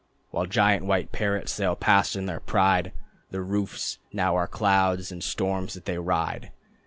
While giant white parrots sail past in their pride. The roofs now are clouds and storms that they ride.